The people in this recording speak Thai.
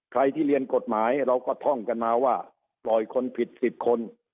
ใครที่เรียนกฎหมายเราก็ท่องกันมาว่าปล่อยคนผิด๑๐คน